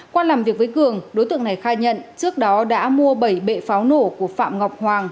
qua làm việc với cường đối tượng này khai nhận trước đó đã mua bảy bệ pháo nổ của phạm ngọc hoàng